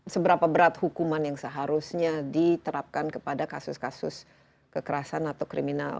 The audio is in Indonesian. seberapa berat hukuman yang seharusnya diterapkan kepada kasus kasus kekerasan atau kriminal